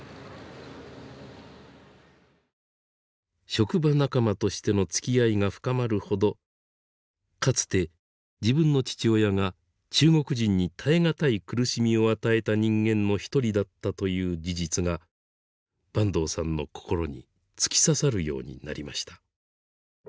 職場仲間としてのつきあいが深まるほどかつて自分の父親が中国人に耐え難い苦しみを与えた人間の一人だったという事実が坂東さんの心に突き刺さるようになりました。